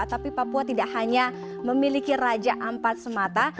tapi papua tidak hanya memiliki raja ampat semata